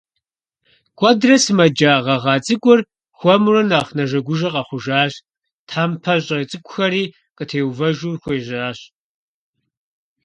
Куэдрэ сымэджа гъэгъа цIыкIур хуэмурэ нэхъ нэжэгужэ къэхъужащ, тхьэмпэщIэ цIыкIухэри къытеувэжу хуежьащ.